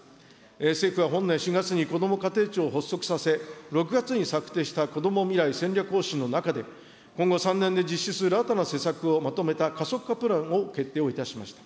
政府は本年４月にこども家庭庁を発足させ、６月に策定したこども未来戦略方針の中で、今後３年で実施する新たな施策をまとめた加速化プランを決定をいたしました。